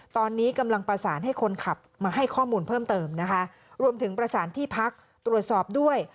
ตอนนี้กำลังประสานให้คนขับมาให้ข้อมูลเพิ่มเติมนะคะรวมถึงประสานที่พักตรวจสอบด้วย